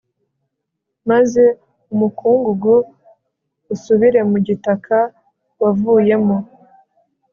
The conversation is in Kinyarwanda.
maze umukungugu usubire mu gitaka wavuyemo